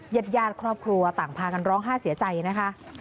เย็ดยาดครอบครัวต่างพากันร้องห้าเสียใจนะคะ